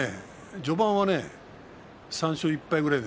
序盤は３勝１敗ぐらいで